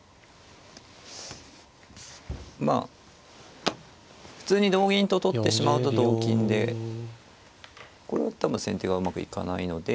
まあ普通に同銀と取ってしまうと同金でこれだったら先手がうまくいかないので。